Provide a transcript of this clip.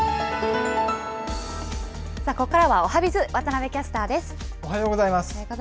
ここからはおはＢｉｚ、おはようございます。